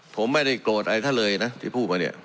ผมไม่ได้โกรธอะไรท่านเลยนะที่พูดมาเนี่ย